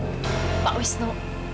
sama pak wisnu